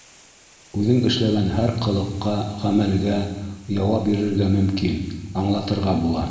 Үҙең эшләгән һәр ҡылыҡҡа, ғәмәлгә яуап бирергә мөмкин, аңлатырға була.